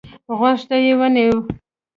غوږ ته يې ونيو.